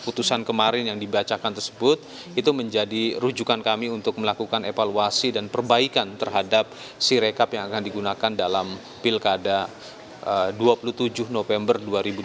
putusan kemarin yang dibacakan tersebut itu menjadi rujukan kami untuk melakukan evaluasi dan perbaikan terhadap sirekap yang akan digunakan dalam pilkada dua puluh tujuh november dua ribu dua puluh